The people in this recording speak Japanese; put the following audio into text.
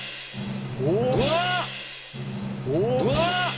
うわっ！